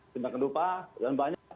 tindakan lupa dan banyak